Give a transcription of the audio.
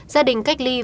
gia đình cách ly vừa nêu